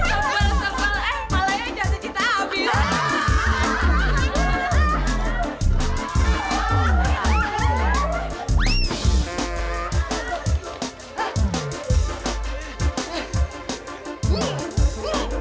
eh malahnya jatuh cita abis